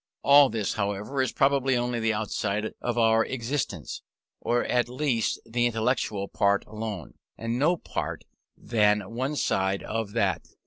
All this, however, is properly only the outside of our existence; or, at least, the intellectual part alone, and no more than one side of that.